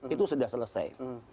itu sudah selesai